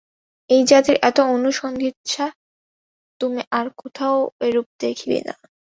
এই জাতির এত অনুসন্ধিৎসা! তুমি আর কোথাও এরূপ দেখিবে না।